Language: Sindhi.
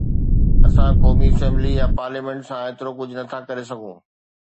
اسان قومي اسيمبلي يا پارليامينٽ سان ايترو ڪجهه نٿا ڪري سگهون